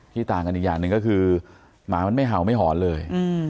ต่างกันอีกอย่างหนึ่งก็คือหมามันไม่เห่าไม่หอนเลย